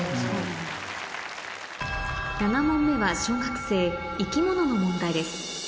７問目は小学生生き物の問題です